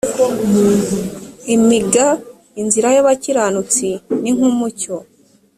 img inzira y abakiranutsi ni nk umucyo